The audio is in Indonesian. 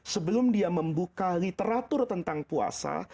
sebelum dia membuka literatur tentang puasa